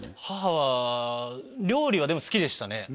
母は料理はでも好きでしたね